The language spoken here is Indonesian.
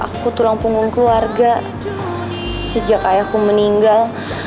aku tulang punggung keluarga sejak ayahku meninggal